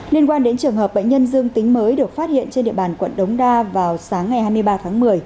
liên quan đến trường hợp bệnh nhân dương tính mới được phát hiện trên địa bàn quận đống đa vào sáng ngày hai mươi ba tháng một mươi